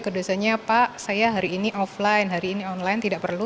kedosanya pak saya hari ini offline hari ini online tidak perlu